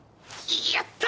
やった！